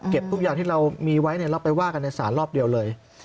ทุกอย่างที่เรามีไว้แล้วไปว่ากันในศาลรอบเดียวเลย